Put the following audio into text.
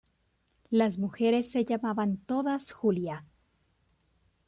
Las mujeres se llamaban todas Julia.